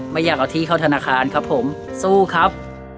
ไม่อยากเอาที่เข้าธนาคารครับผมสู้ครับ